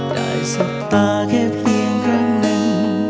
ได้สุดตาแค่เพียงหนึ่ง